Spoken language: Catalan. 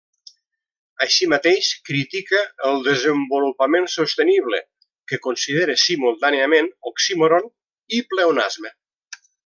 Així mateix, critica el desenvolupament sostenible, que considera simultàniament oxímoron i pleonasme.